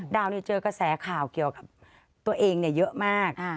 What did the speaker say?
เจอกระแสข่าวเกี่ยวกับตัวเองเยอะมาก